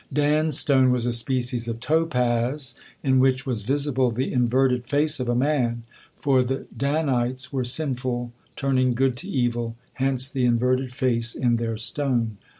Dan's stone was a species of topaz, in which was visible the inverted face of a man, for the Danites were sinful, turning good to evil, hence the inverted face in their stone.